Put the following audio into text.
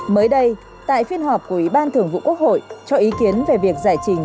mới đây tại phiên họp của ủy ban thường vụ quốc hội cho ý kiến về việc giải trình